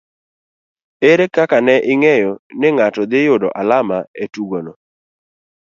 Ere kaka ne ing'eyo ni ng'ato dhi yudo alama e tugono